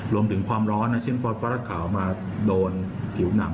รวมถึงความร้อนซึ่งฟอสฟอรัสขาวมาโดนถิ่วหนัง